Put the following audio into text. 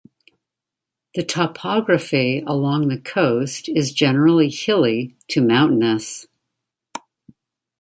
The topography along the coast is generally hilly to mountainous.